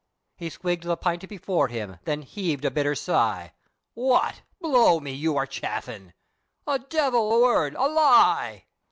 He swigged the pint before him, then heaved a bitter sigh, "What? blow me, your a chaffin'!" "O divil a word o' lie!"